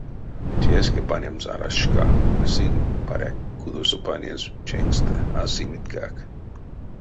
Теске панемс арась шка, ды сынь, паряк, кудосо панезь ченькстэ а симитькак.